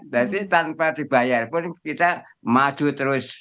berarti tanpa dibayar pun kita maju terus